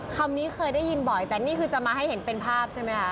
คำนี้เคยได้ยินบ่อยแต่นี่คือจะมาให้เห็นเป็นภาพใช่ไหมคะ